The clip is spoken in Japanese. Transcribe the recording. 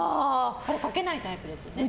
かけないタイプですよね。